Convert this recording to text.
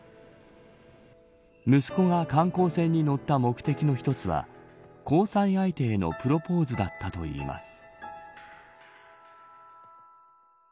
息子が観光船に乗った目的の一つは交際相手へのプロポーズだったといいます。